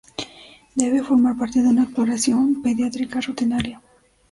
Debe formar parte de una exploración pediátrica rutinaria.